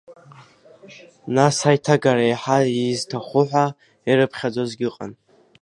Нас аиҭагара еиҳа изҭаху ҳәа ирыԥхьаӡозгьы ыҟан.